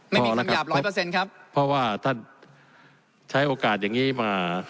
ไม่มีคำหยาบร้อยเปอร์เซ็นต์ครับเพราะว่าท่านใช้โอกาสอย่างนี้มา